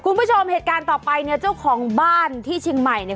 คุณผู้ชมเหตุการณ์ต่อไปเนี่ยเจ้าของบ้านที่เชียงใหม่เนี่ย